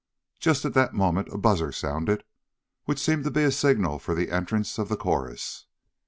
Just at that moment a buzzer sounded, which seemed to be a signal for the entrance of the chorus.